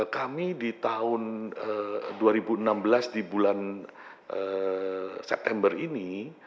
kami di tahun dua ribu enam belas di bulan september ini